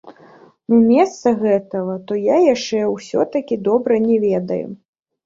Ну, месца гэтага то я яшчэ ўсё-такі добра не ведаю!